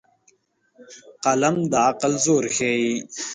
قلم د عقل زور ښيي